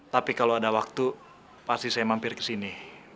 tapi kalau ada waktu pasti saya mampir ke sini